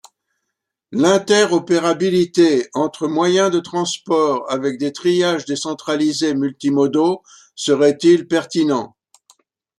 L'interopérabilité entre moyens de transports avec des triages décentralisés multimodaux serait-il pertinent?